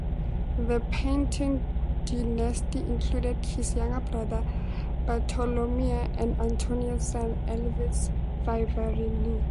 The painting dynasty included his younger brother Bartolomeo and Antonio's son Alvise Vivarini.